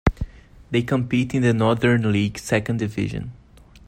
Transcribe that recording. They compete in the Northern League Second Division.